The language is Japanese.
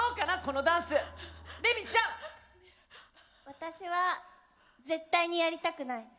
私は絶対にやりたくない。